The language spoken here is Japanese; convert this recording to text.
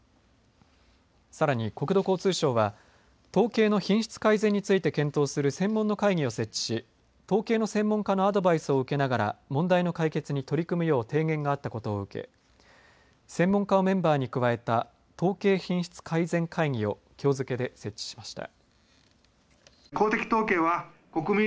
さらに、国土交通省は統計の品質改善について検討する専門の会議を設置し統計の専門家のアドバイスを受けながら問題の解決に取り組むよう提言があったことを受け専門家をメンバーに加えた統計品質改善会議をきょう付けで設置しました。